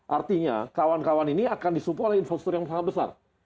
artinya kawan kawan ini akan disupport oleh infrastruktur yang sangat besar